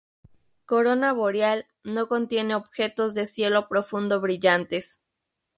Corona Boreal no contiene objetos de cielo profundo brillantes.